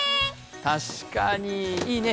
確かに、いいね。